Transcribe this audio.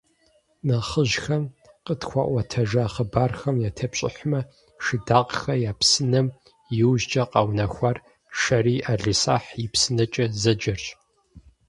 Нэхъыжьхэм къытхуаӏуэтэжа хъыбархэм ятепщӏыхьмэ, «Шыдакъхэ я псынэм» иужькӏэ къэунэхуар «Шэрий ӏэлисахь и псынэкӏэ» зэджэрщ.